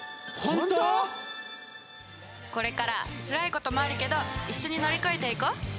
これからつらいこともあるけど一緒に乗り越えていこう！